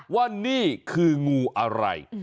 ว่านี่คืองูอะไร